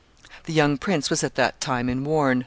The young prince was at that time in Warn.